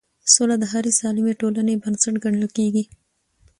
سوله د هرې سالمې ټولنې بنسټ ګڼل کېږي